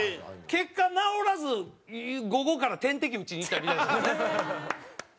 結果治らず午後から点滴打ちにいったみたいですけどね。